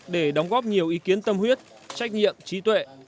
để đóng góp nhiều ý kiến tâm huyết trách nhiệm trí tuệ